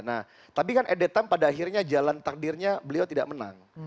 nah tapi kan at the time pada akhirnya jalan takdirnya beliau tidak menang